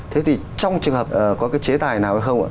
thế thì trong trường hợp có cái chế tài nào hay không ạ